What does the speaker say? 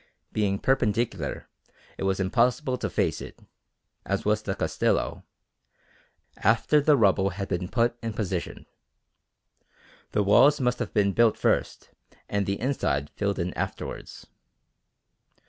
Being perpendicular it was impossible to face it, as was the Castillo, after the rubble had been put in position. The walls must have been built first and the inside filled in afterwards.